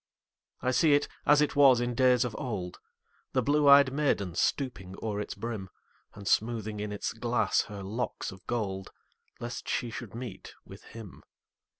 I see it as it was in days of old, The blue ey'd maiden stooping o'er its brim, And smoothing in its glass her locks of gold, Lest she should meet with him.